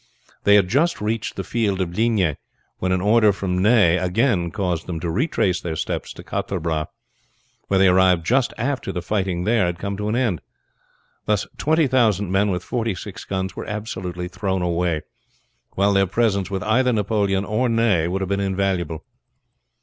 They had just reached the field of Ligny when an order from Ney again caused them to retrace their steps to Quatre Bras, where they arrived just after the fighting there had come to an end. Thus twenty thousand men with forty six guns were absolutely thrown away, while their presence with either Napoleon or Ney would have been invaluable.